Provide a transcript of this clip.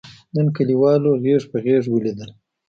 نن کلیوالو غېږ په غېږ ولیدل.